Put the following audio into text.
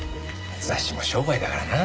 雑誌も商売だからな。